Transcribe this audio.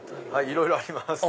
いろいろあります。